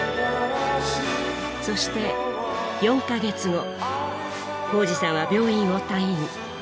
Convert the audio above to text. そして４か月後宏司さんは病院を退院。